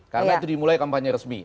karena itu dimulai kampanye resmi